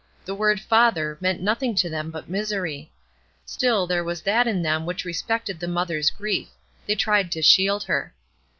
The word "father" meant nothing to them but misery. Still there was that in them which respected the mother's grief; they tried to shield her.